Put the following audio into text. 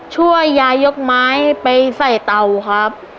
ช่วยยายยกไม้ไปใส่เตาครับ